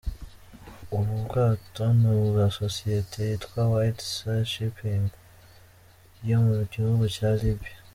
Ubu bwato ni ubwa sosiyete yitwa « White Sea Shipping » yo mu gihugu cya Libiya.